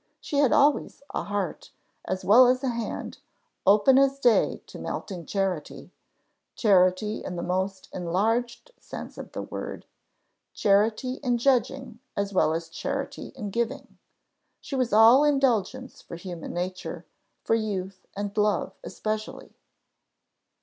she had always a heart, as well as a hand, open as day to melting charity charity in the most enlarged sense of the word: charity in judging as well as charity in giving. She was all indulgence for human nature, for youth and love especially.